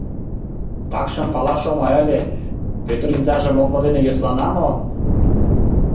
Такшым палаш оҥай ыле: Пӧтыр изаже мокмыр дене йӧслана мо?